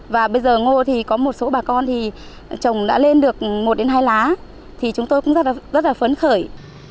và bây giờ ngô thì có một số bà con thì trồng đã lên được một đến hai lá thì chúng tôi cũng rất là phấn khởi